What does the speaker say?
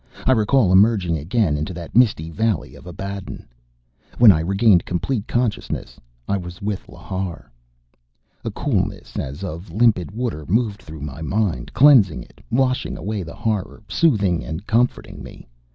I recall emerging again into that misty valley of Abaddon.... When I regained complete consciousness I was with Lhar. A coolness as of limpid water moved through my mind, cleansing it, washing away the horror, soothing and comforting me.